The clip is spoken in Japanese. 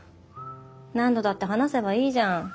何度だって話せばいいじゃん。